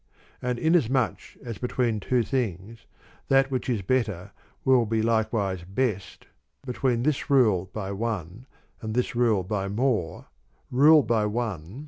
And inasmuch as between two things, that which is better will be likewise best, between this rule by "one" and this ruleby "more,"rule by "one" 7.